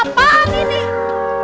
cermin pada pecah semua